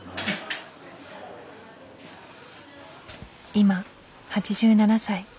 今８７歳。